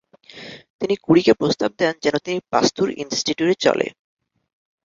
তিনি ক্যুরিকে প্রস্তাব দেন যেন তিনি পাস্তুর ইন্সটিটিউটে চলে